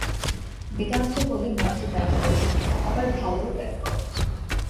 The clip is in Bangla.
বেদান্ত বলে মন্দ ত্যাগ কর, আবার ভালও ত্যাগ কর।